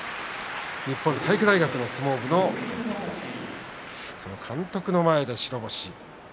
日本体育大学の相撲部の監督の前で白星。